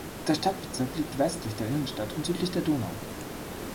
Der Stadtbezirk liegt westlich der Innenstadt und südlich der Donau.